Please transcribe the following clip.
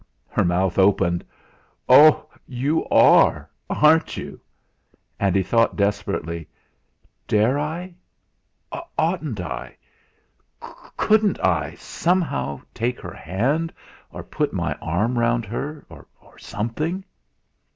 Her mouth opened. "Oh! You are aren't you?" And he thought desperately: 'Dare I oughtn't I couldn't I somehow take her hand or put my arm round her, or something?'